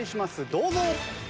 どうぞ！